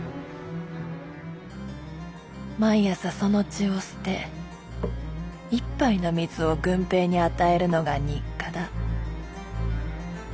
毎朝その血を捨て一杯の水を郡平に与えるのが日課だ。